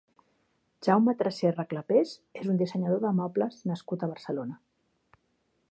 Jaume Tresserra Clapés és un dissenyador de mobles nascut a Barcelona.